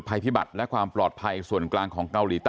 พิบัติและความปลอดภัยส่วนกลางของเกาหลีใต้